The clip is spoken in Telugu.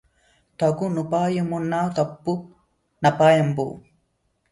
తగు నుపాయమున్న తప్పు నపాయంబు